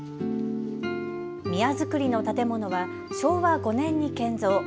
宮造りの建物は昭和５年に建造。